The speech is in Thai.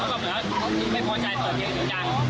แต่เขาก็เหมือนว่าไม่ควรใช้เผื่อเทียงเหนือดัง